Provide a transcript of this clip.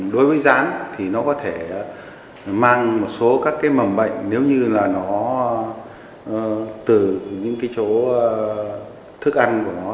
đối với rán thì nó có thể mang một số các cái mầm bệnh nếu như là nó từ những cái chỗ thức ăn của nó